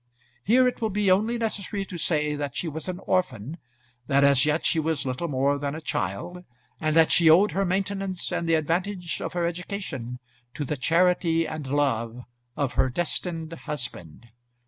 Here it will be only necessary to say that she was an orphan, that as yet she was little more than a child, and that she owed her maintenance and the advantage of her education to the charity and love of her destined husband.